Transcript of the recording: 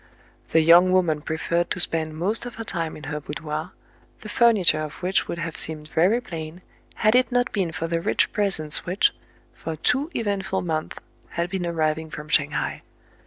The young woman preferred to spend most of her time in her boudoir, the furniture of which would have seemed very plain, had it not been for the rich presents which, for two eventful months, had been arriving from Shang hai.